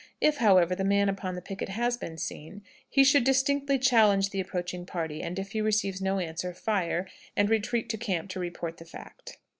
If, however, the man upon the picket has been seen, he should distinctly challenge the approaching party, and if he receives no answer, fire, and retreat to camp to report the fact.